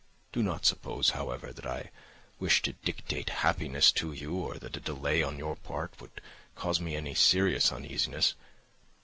Do not suppose, however, that I wish to dictate happiness to you or that a delay on your part would cause me any serious uneasiness.